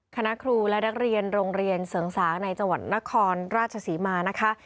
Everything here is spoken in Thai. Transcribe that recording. คณะครูและนักเรียนโรงเรียนเสริงสางในจังหวัดนครราชศรีมานะคะ